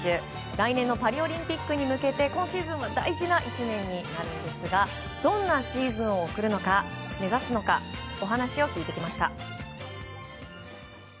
来年のパリオリンピックに向けて今シーズンは大事な１年になるんですがどんなシーズンを目指すのかお話を聞いてきました。